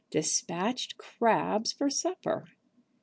Despatched crabs for supper!